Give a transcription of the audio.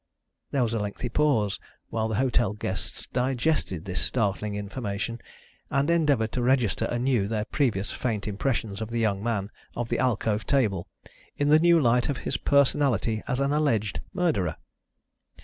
There was a lengthy pause while the hotel guests digested this startling information, and endeavoured to register anew their previous faint impressions of the young man of the alcove table in the new light of his personality as an alleged murderer.